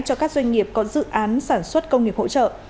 cho các doanh nghiệp có dự án sản xuất công nghiệp hỗ trợ